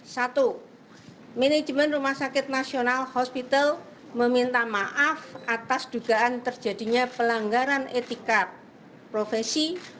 satu manajemen rumah sakit nasional hospital meminta maaf atas dugaan terjadinya pelanggaran etika profesi